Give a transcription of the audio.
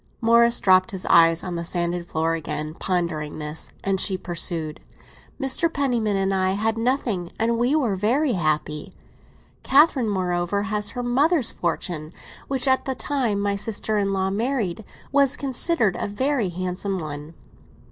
Morris dropped his eyes on the sanded floor again, pondering this; and she pursued. "Mr. Penniman and I had nothing, and we were very happy. Catherine, moreover, has her mother's fortune, which, at the time my sister in law married, was considered a very handsome one."